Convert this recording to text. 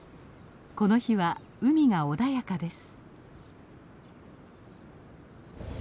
この日は海が穏やかです。